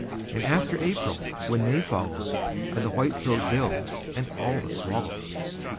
And after April, when May follows, And the whitethroat builds, and all the swallows!